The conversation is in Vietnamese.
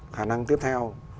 khả năng tiếp theo